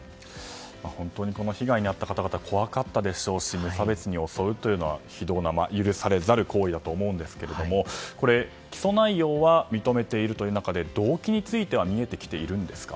本当に、この被害に遭った方々怖かったでしょうし無差別に襲うというのは、非道な許されざる行為だと思いますがこれ、起訴内容は認めているという中で動機については見えてきているんですか？